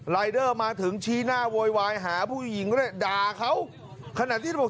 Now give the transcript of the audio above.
รายเดอร์มาถึงชี้หน้าโวยวายหาผู้หญิงด้วยด่าเขาขนาดที่บอก